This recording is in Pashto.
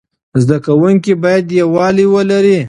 زده کوونکي باید یووالی ولري.